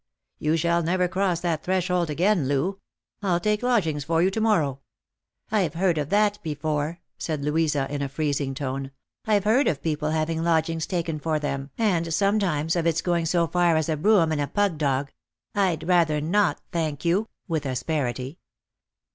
Tou shall never cross that threshold again, Loo. I'll take lodgings for you to morrow." " I've heard of that before," said Louisa in a freezing tone. " I've heard of people having lodgings taken for them, and sometimes of its going so far as a brougham and a pug dog, I'd rather not, thank you !" with asperity.